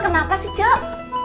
kenapa sih cek